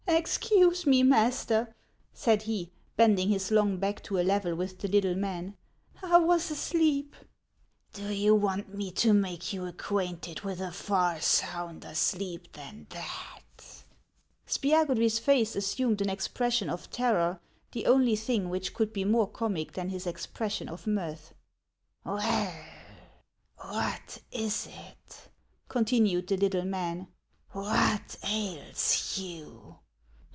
" Excuse me, master," said he, bending his long back to a level with the little man ;" I was asleep." " Do you want me to make you acquainted with a far sounder sleep than that ?" Spiagudry's face assumed an expression of terror, the only thing which could be more comic than his expression of mirth. " Well ! what is it ?" continued the little man. " What ails you